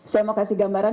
saya mau kasih gambaran